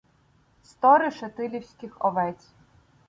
Сто решетилівських овець.